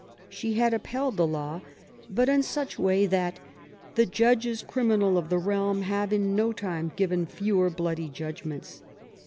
She had upheld the law, but in such way that the "judges criminal of the realm have in no time given fewer bloody judgments".